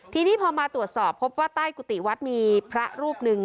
ทีนี้พอมาตรวจสอบพบว่าใต้กุฏิวัดมีพระรูปหนึ่ง